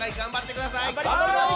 頑張ります！